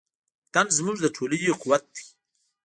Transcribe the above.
وطن زموږ د ټولنې قوت دی.